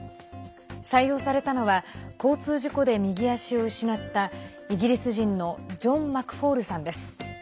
採用されたのは交通事故で右足を失ったイギリス人のジョン・マクフォールさんです。